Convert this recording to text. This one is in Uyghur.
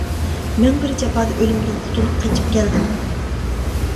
مىڭ بىر جاپادا ئۆلۈمدىن قۇتۇلۇپ قېچىپ كەلدىم.